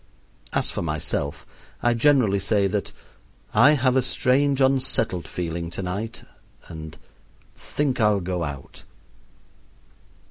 As for myself, I generally say that "I have a strange, unsettled feeling to night" and "think I'll go out."